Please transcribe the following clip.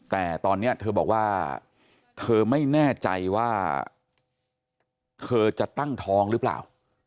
แต่ตอนนี้เธอบอกว่าเธอไม่แน่ใจว่าเธอจะตั้งท้องหรือเปล่า